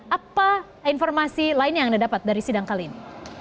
apa informasi lain yang anda dapat dari sidang kali ini